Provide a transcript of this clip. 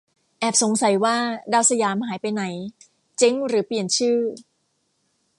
แอบสงสัยว่า ดาวสยาม หายไปไหน เจ๊งหรือเปลี่ยนชื่อ